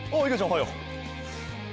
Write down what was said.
おはよう。